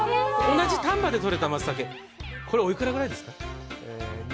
同じ丹波でとれたまつたけ、これおいくらぐらいですか？